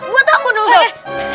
gue tangguh ustadz